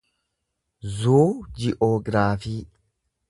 zuuji'oograafii